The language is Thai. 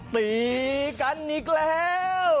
ตีกันอีกแล้ว